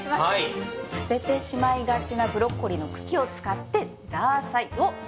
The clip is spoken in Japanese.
捨ててしまいがちなブロッコリーの茎を使ってザーサイを作ります。